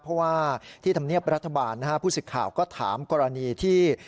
เพราะว่าที่ธรรมเนียบรัฐบาลผู้สิทธิ์ข่าวก็ถามกรณีที่